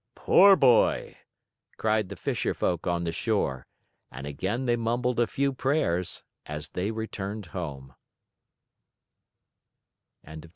"Poor boy!" cried the fisher folk on the shore, and again they mumbled a few prayers, as they returned home.